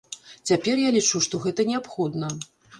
Цяпер я лічу, што гэта неабходна.